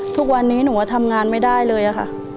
ทุกวันนี้หนูก็ทำงานไม่ได้เลยค่ะ